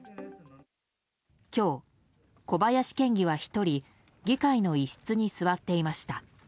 今日、小林県議は１人議会の一室に座っていました。